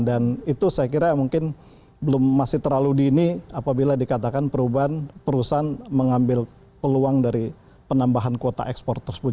dan itu saya kira mungkin belum masih terlalu dini apabila dikatakan perubahan perusahaan mengambil peluang dari penambahan kuota ekspor tersebut